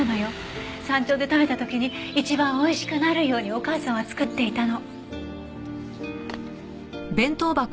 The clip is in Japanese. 山頂で食べた時に一番おいしくなるようにお母さんは作っていたの。